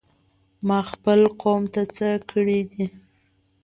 ما خپل قوم ته څه کړي دي؟!